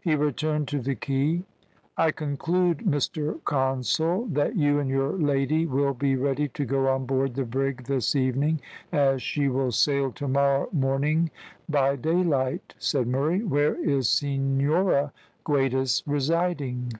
He returned to the quay. "I conclude, Mr Consul, that you and your lady will be ready to go on board the brig this evening, as she will sail tomorrow morning by daylight," said Murray. "Where is Senhora Guedes residing?"